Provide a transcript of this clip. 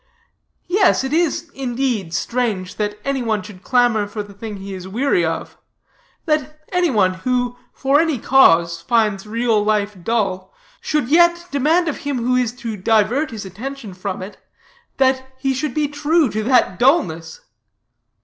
Yes, it is, indeed, strange that any one should clamor for the thing he is weary of; that any one, who, for any cause, finds real life dull, should yet demand of him who is to divert his attention from it, that he should be true to that dullness.